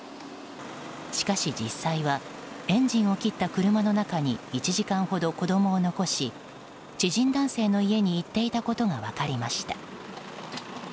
しかし、実際はエンジンを切った車の中に１時間ほど子供を残し知人男性の家に行っていたことが分かりました。